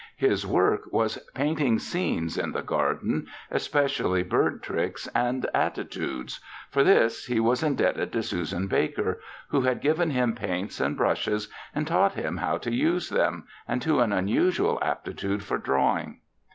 His work was painting scenes in the garden, especially bird tricks and attitudes. For this, he was indebted to Susan Baker, who had given him paints and brushes and taught him how to use them, and to an unusual aptitude for drawing.